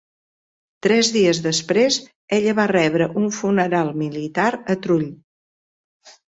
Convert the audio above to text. Tres dies després, ella va rebre un funeral militar a Trull.